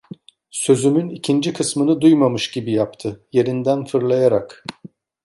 Sözümün ikinci kısmını duymamış gibi yaptı, yerinden fırlayarak…